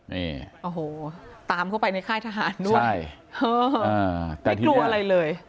นี่โอ้โหตามเข้าไปในค่ายทหารด้วยใช่เออแต่ไม่กลัวอะไรเลย